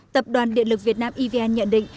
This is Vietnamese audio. tập đoàn điện lực việt nam evn nhận định